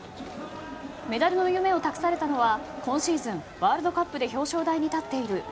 メダルの夢を託されたのは今シーズン、ワールドカップで表彰台に立っている。